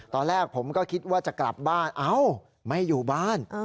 ตอนแรกผมก็คิดว่าจะกลับบ้านเอ้าไม่อยู่บ้าน